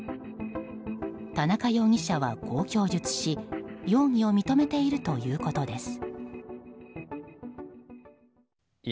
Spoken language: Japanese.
田中容疑者はこう供述し容疑を認めているということです。